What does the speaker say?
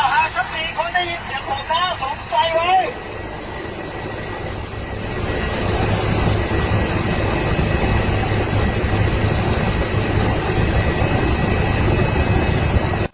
อย่าให้ใครตอบตาถูกไฟไอ้เยอะเว้ย